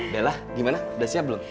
bella gimana udah siap belum